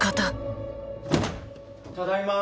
ただいま。